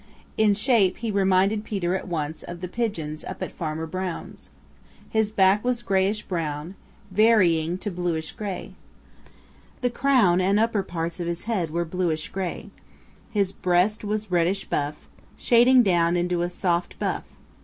In shape he reminded Peter at once of the Pigeons up at Farmer Brown's. His back was grayish brown, varying to bluish gray. The crown and upper parts of his head were bluish gray. His breast was reddish buff, shading down into a soft buff.